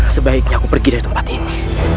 sebaiknya aku pergi dari tempat ini